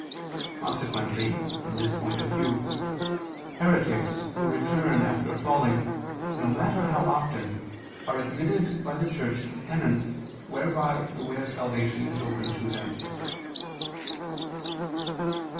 Consequently, from this point of view, heretics who return after falling no matter how often, are admitted by the Church to Penance whereby the way of salvation is opened to them.